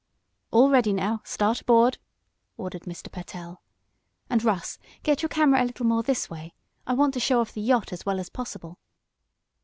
"All ready now start aboard," ordered Mr. Pertell. "And, Russ, get your camera a little more this way. I want to show off the yacht as well as possible."